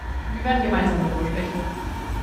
Wir werden gemeinsam darüber sprechen.